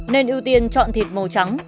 nên ưu tiên chọn thịt màu trắng